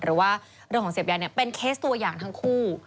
หรือว่าเรื่องของเสพยาเนี่ยเป็นเคสตัวอย่างทั้งคู่